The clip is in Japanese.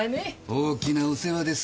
大きなお世話です。